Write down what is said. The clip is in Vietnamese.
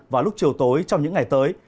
vào lúc chiều tối trong những ngày tới